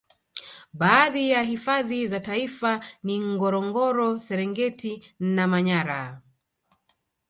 Baadhi ya hifadhi za taifa ni Ngorongoro Serengeti na Manyara